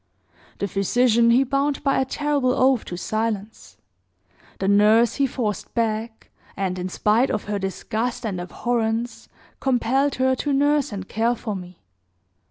The physician he bound by a terrible oath to silence; the nurse he forced back, and, in spite of her disgust and abhorrence, compelled her to nurse and care for me.